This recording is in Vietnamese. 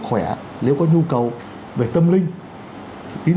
khỏe nếu có nhu cầu về tâm linh tín